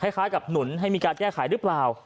คล้ายกับหนุนให้มีการแก้ไขหรือเปล่า